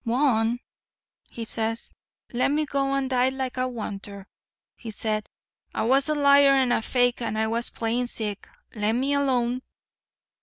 'G'wan,' he says, 'lemme go and die like I wanter. He said I was a liar and a fake and I was playin' sick. Lemme alone.